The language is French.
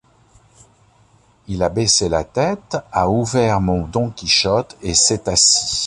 Il a baissé la tête, a ouvert mon Don Quichotte, et s’est assis.